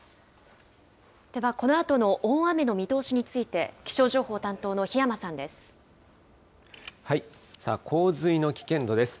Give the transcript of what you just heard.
ではこのあとの大雨の見通しについて、気象情報担当の檜山さ洪水の危険度です。